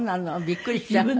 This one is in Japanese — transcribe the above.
びっくりしちゃうわね。